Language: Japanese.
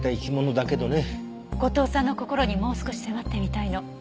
後藤さんの心にもう少し迫ってみたいの。